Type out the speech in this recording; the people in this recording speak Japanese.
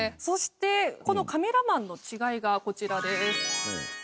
そしてこのカメラマンの違いがこちらです。